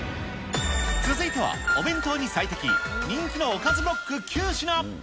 続いては、お弁当に最適、人気のおかずブロック９品。